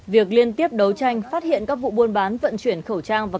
việc liên tiếp đấu tranh phát hiện các vụ buôn bán vận chuyển khẩu trang và